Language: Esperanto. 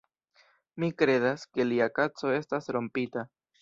Mi kredas, ke lia kaco estas rompita